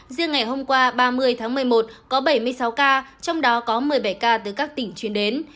riêng ngày hôm qua ba mươi tháng một mươi một có bảy mươi sáu ca trong đó có một mươi bảy ca từ các tỉnh chuyên đến